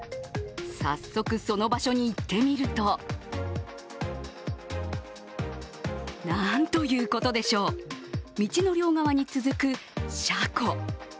早速、その場所に行ってみるとなんということでしょう、道の両側に続く車庫。